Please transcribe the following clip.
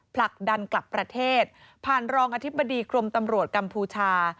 ผลักดันกลับประเทศผ่านรองอธิบดีกรมตำรวจกัมพูชา